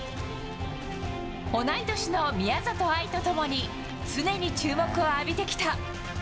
同い年の宮里藍と共に、常に注目を浴びてきた。